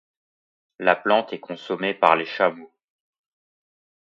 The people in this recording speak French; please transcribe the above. La plante est consommée par les chameaux.